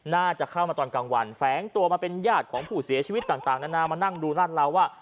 น่าจะเข้ามาตอนกลางวันแฝงตัวมาเป็นญาติของผู้เสียชีวิตต่างนานามานั่งดูราดเราว่า